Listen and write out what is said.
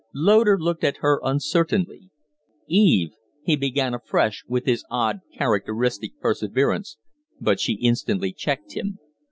Loder looked at her uncertainly. "Eve " he began afresh with his odd, characteristic perseverance, but she instantly checked him.